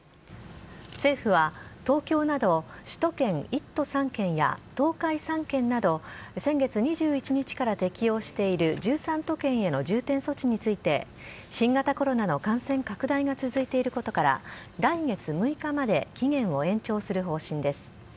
政府は東京など首都圏１都３県や東海３県など、先月２１日から適用している１３都県への重点措置について、新型コロナの感染拡大が続いていることから、来月６日まで期限を延長する方針です。